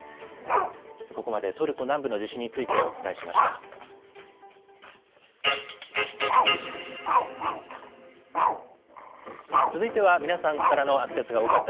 ここまでトルコ南部の地震について、お伝えしました。